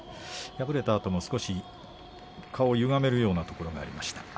敗れたあとも少し顔をゆがめるようなことがありました。